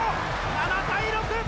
７対６！